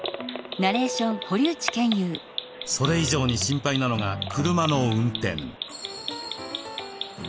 それ以上に心配なのが車の運転。